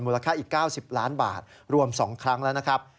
ค่าอีก๙๐ล้านบาทรวม๒ครั้งแล้วนะครับ